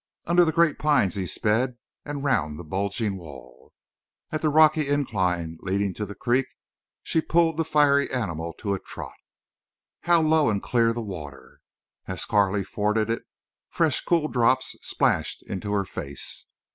Under the great pines he sped and round the bulging wall. At the rocky incline leading to the creek she pulled the fiery animal to a trot. How low and clear the water! As Carley forded it fresh cool drops splashed into her face.